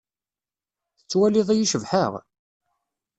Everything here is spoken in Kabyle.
Tettwaliḍ-iyi cebḥeɣ?